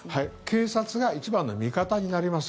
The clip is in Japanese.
警察が一番の味方になります。